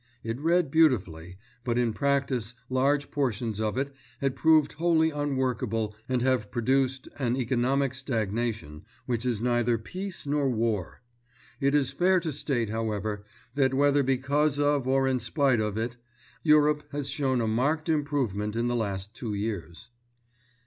It read beautifully, but in practice large portions of it have proved wholly unworkable and have produced an economic stagnation which is neither peace nor war. It is fair to state, however, that whether because of or in spite of it, Europe has shown a marked improvement in the last two years.